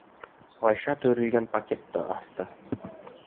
Ғәйшә төрөлгән пакетты асты.